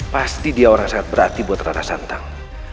pasti dia orang yang sangat berhati buat rara santang